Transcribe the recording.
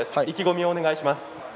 意気込みをお願いします。